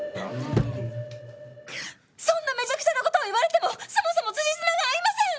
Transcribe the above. そんなめちゃくちゃな事を言われてもそもそもつじつまが合いません！